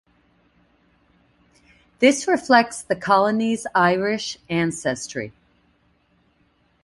This reflects the colony's Irish ancestry.